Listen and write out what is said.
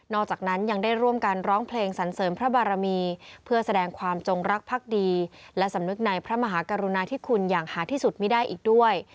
อกจากนั้นยังได้ร่วมกันร้องเพลงสันเสริมพระบารมีเพื่อแสดงความจงรักภักดีและสำนึกในพระมหากรุณาธิคุณอย่างหาที่สุดไม่ได้อีกด้วย